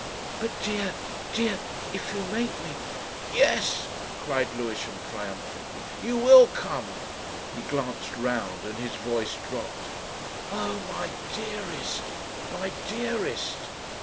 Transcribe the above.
"But, dear ! Dear, if you make me " "Yes!" cried Lewisham triumphantly. "You will come." He glanced round and his voice dropped. "Oh! my dearest! my dearest!..."